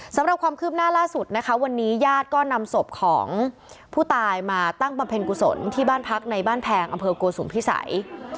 สำหรับความคืบหน้าล่าสุดนะคะวันนี้ญาติก็นำศพของผู้ตายมาตั้งบำเพ็ญกุศลที่บ้านพักในบ้านแพงอำเภอโกสุมพิสัย